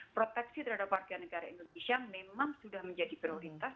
proteksi terhadap warga negara indonesia memang sudah menjadi prioritas